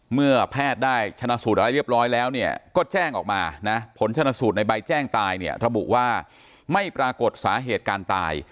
เมื่อแพทย์ได้ชนะสูตรอะไรเรียบร้อยแล้วเนี่ยก็แจ้งออกมานะผลชนสูตรในใบแจ้งตายเนี่ยระบุว่าไม่ปรากฏสาเหตุการตาย